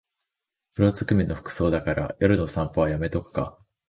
黒ずくめの服装だから夜の散歩はやめとくか